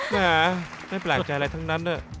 แหมไม่แปลกใจอะไรทั้งนั้น